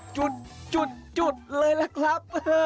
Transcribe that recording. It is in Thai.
จุดจุดจุดเลยแหละครับ